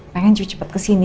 pengen cepat cepat ke sini